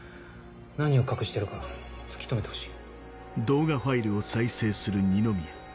何を隠してるか突き止めてほしい。